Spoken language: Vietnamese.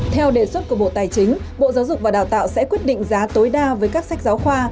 theo đề xuất của bộ tài chính bộ giáo dục và đào tạo sẽ quyết định giá tối đa với các sách giáo khoa